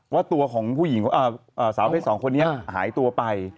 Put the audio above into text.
ว่าตัวของผู้หญิงสาวเพศ๒คนนี้หายตัวไป